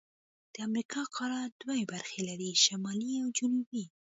د امریکا قاره دوه برخې لري: شمالي او جنوبي.